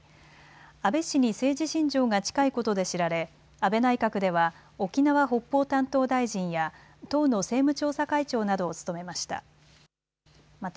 安倍氏に政治信条が近いことで知られ安倍内閣では沖縄・北方担当大臣や党の政務調査会長などを務めました。